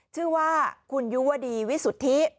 ชื่อว่าคุณยุวดีวิสุทธิ